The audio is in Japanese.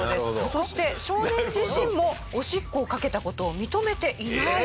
そして少年自身もおしっこをかけた事を認めていないと。